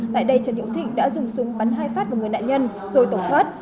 tại đây trần hữu thịnh đã dùng súng bắn hai phát vào người nạn nhân rồi tổn thoát